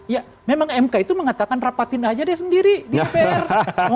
ya memang mk itu mengatakan rapatin aja dia sendiri di dpr